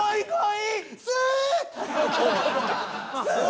はい。